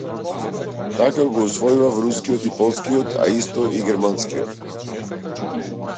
Така го усвојував рускиот и полскиот, а исто и германскиот.